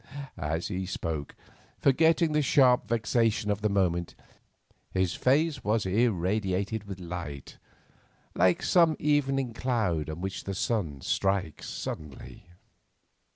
As he spoke, forgetting the sharp vexation of the moment, his face was irradiated with light—like some evening cloud on which the sun strikes suddenly.